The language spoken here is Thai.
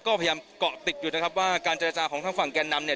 ก็พยายามเกาะติดอยู่นะครับว่าการเจรจาของทางฝั่งแกนนำเนี่ย